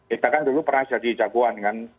kita kan dulu pernah jadi jagoan kan